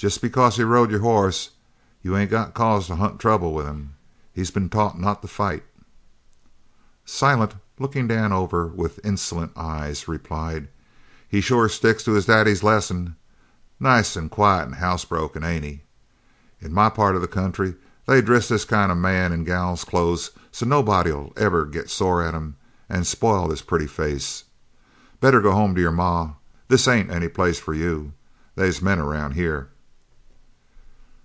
"Jest because he rode your hoss you ain't got a cause to hunt trouble with him. He's been taught not to fight." Silent, still looking Dan over with insolent eyes, replied: "He sure sticks to his daddy's lessons. Nice an' quiet an' house broke, ain't he? In my part of the country they dress this kind of a man in gal's clothes so's nobody'll ever get sore at him an' spoil his pretty face. Better go home to your ma. This ain't any place for you. They's men aroun' here."